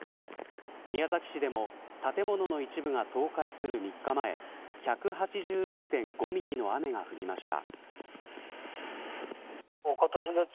宮崎市でも建物の一部が倒壊する３日前１８６．５ミリの雨が降りました。